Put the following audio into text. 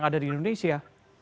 ada di indonesia